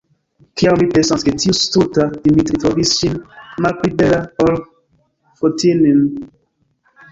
Kiam mi pensas, ke tiu stulta Dimitri trovis ŝin malpli bela, ol Fotini'n!